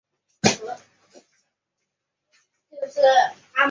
基本周期是每条线路每个小时一趟列车。